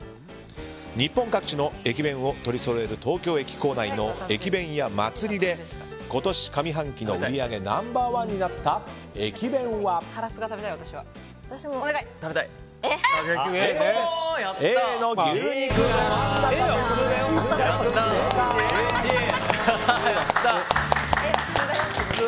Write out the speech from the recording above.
日本各地の駅弁を取りそろえる東京駅構内の駅弁屋祭で、今年上半期の売り上げナンバー１になった駅弁は、Ａの牛肉どまん中！